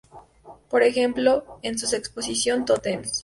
Por ejemplo, en su exposición "Tótems.